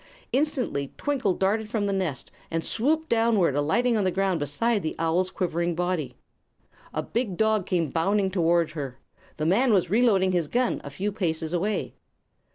Instantly Twinkle darted from the nest and swooped downward, alighting on the ground beside the owl's quivering body. A big dog came bounding toward her. The man was reloading his gun, a few paces away.